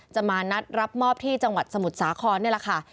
จะมานัดรับมอบที่จังหวัดสมุทรสาครนี่แหละค่ะ